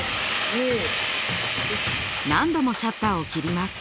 何度もシャッターを切ります。